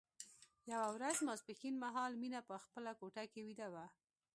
یوه ورځ ماسپښين مهال مينه په خپله کوټه کې ويده وه